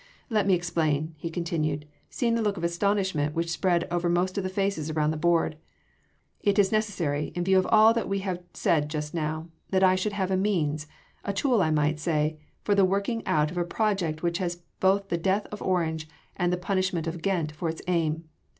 Let me explain," he continued, seeing the look of astonishment which spread over most of the faces around the board. "It is necessary, in view of all that we said just now, that I should have a means a tool I might say for the working out of a project which has both the death of Orange and the punishment of Ghent for its aim.